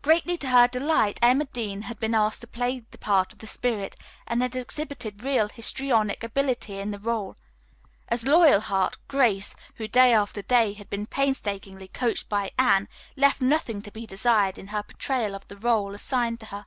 Greatly to her delight, Emma Dean had been asked to play the part of the Spirit, and exhibited real histrionic ability in the role. As Loyalheart, Grace, who, day after day, had been painstakingly coached by Anne, left nothing to be desired in her portrayal of the role assigned to her.